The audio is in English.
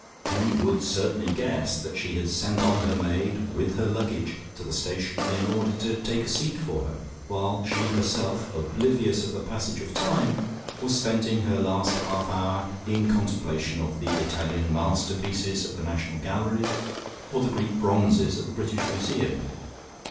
He would certainly guess that she had sent on her maid with her luggage to the station in order to take a seat for her, while she herself, oblivious of the passage of time, was spending her last half hour in contemplation of the Italian masterpieces at the National Gallery, or the Greek bronzes at the British Museum.